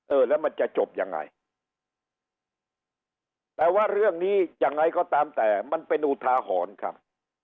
เออแล้วมันจะจบยังไงแต่ว่าเรื่องนี้ยังไงก็ตามแต่มันเป็นอุทาหรณ์ครับ